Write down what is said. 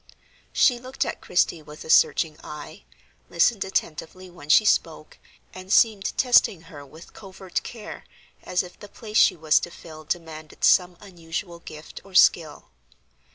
She looked at Christie with a searching eye, listened attentively when she spoke, and seemed testing her with covert care as if the place she was to fill demanded some unusual gift or skill.